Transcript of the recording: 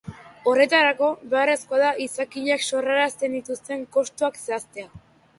Horretarako, beharrezko da izakinek sorrarazten dituzten kostuak zehaztea.